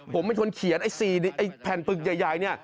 ผมเป็นคนเขียนไอ้๔แผ่นปึกใหญ่เนี่ย